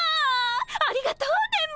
ありがとう電ボ！